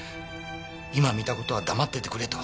今見た事は黙っててくれと。